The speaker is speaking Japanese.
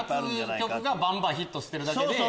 夏の曲がバンバンヒットしてるだけで。